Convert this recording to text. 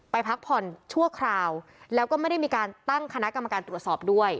พักผ่อนชั่วคราวแล้วก็ไม่ได้มีการตั้งคณะกรรมการตรวจสอบด้วย